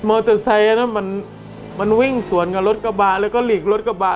มอเตอร์ไซน์มันวิ่งสวนกับรถกระบาดแล้วก็หลีกรถกระบาด